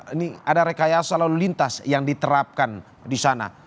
ini ada rekayasa lalu lintas yang diterapkan di sana